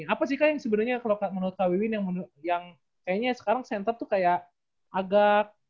apa sih kak yang sebenarnya kalau menurut kak wewin yang kayaknya sekarang center tuh kayak agak